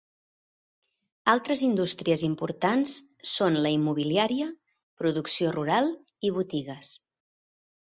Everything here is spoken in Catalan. Altres indústries importants són la immobiliària, producció rural i botigues.